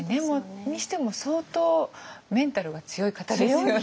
にしても相当メンタルが強い方ですよね。